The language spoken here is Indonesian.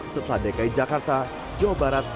setelah dki jakarta jawa barat dan jawa tenggara